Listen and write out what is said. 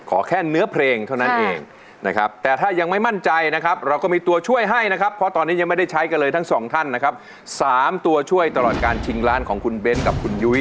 ขอแค่เนื้อเพลงเท่านั้นเองนะครับ